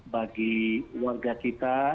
bagi warga kita